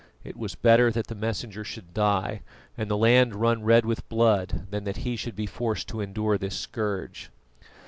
It was better that the Messenger should die, and the land run red with blood, than that he should be forced to endure this scourge.